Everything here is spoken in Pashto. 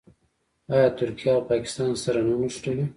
آیا ترکیه او پاکستان سره نه نښلوي؟